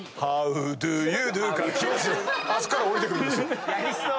あそこから下りてくるんですよ。